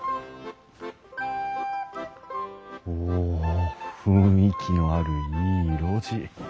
お雰囲気のあるいい路地。